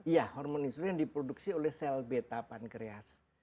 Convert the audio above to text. iya hormon insulin diproduksi oleh sel beta pankreas